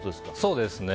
そうですね。